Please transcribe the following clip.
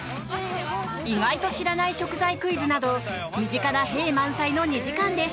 意外と知らない食材クイズなど身近な「へえ」満載の２時間です。